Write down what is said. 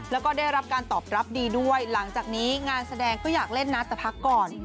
แล้วก็ได้รับการตอบรับดีด้วยหลังจากนี้งานแสดงก็อยากเล่นนะแต่พักก่อน